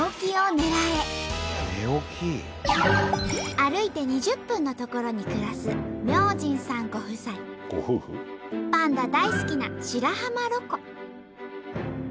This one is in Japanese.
歩いて２０分の所に暮らすパンダ大好きな白浜ロコ。